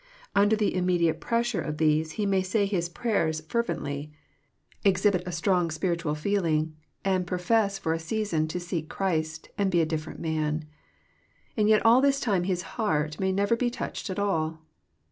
Under the immediate pressure of these he may say his prayers fer 1 * I 88 EXPOsrroBY thoughts. Tcntly, exhibit a strong spiritual feelings, and profess fire a season to ^' seek Christ,'' and be a different man. And yei all this time his heart may never be touched at all